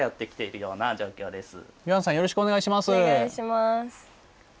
よろしくお願いします。